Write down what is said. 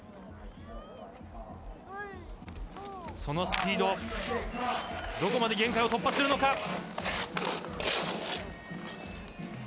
そのスピードどこまで限界を突破するのか。